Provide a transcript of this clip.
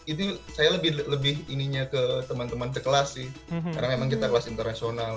itu saya lebih ininya ke teman teman sekelas sih karena memang kita kelas internasional